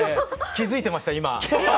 気付いてました今。